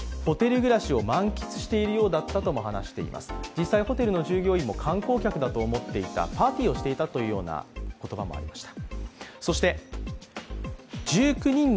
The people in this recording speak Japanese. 実際、ホテルの従業員も観光客だと思っていた、パーティーをしていたというような言葉もありました。